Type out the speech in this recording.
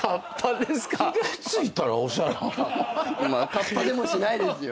カッパでもしないですよ。